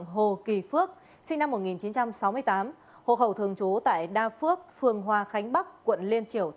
có biện pháp ngừa hành vi vi phạm tránh trình hợp để hậu quả xảy ra mới tìm cách giải quyết